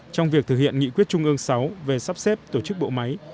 trong việc thực hiện nghị quyết trung ương sáu về sắp xếp tổ chức bộ máy